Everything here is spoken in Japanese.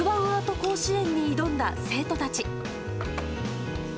アート甲子園に挑んだ生徒たち。